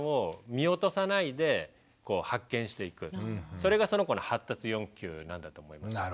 それがその子の発達欲求なんだと思います。